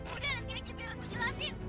udah nanti biar aku jelasin